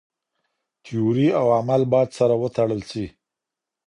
تيوري او عمل بايد سره وتړل سي.